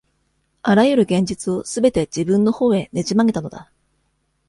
あらゆる現実を、すべて自分のほうへねじ曲げたのだ。